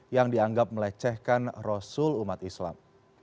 yang dianggap melecehkan rasul umat islam